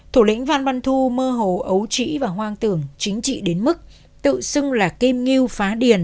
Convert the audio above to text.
thủ lĩnh văn văn thu mơ hồ ấu trĩ và hoang tưởng chính trị đến mức tự xưng là kim ngưu phá điền